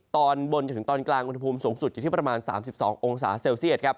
ตอนบนจนถึงตอนกลางอุณหภูมิสูงสุดอยู่ที่ประมาณ๓๒องศาเซลเซียตครับ